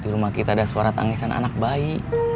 di rumah kita ada suara tangisan anak bayi